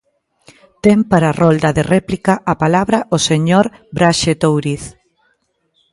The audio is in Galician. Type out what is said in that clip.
Ten para a rolda de réplica a palabra o señor Braxe Touriz.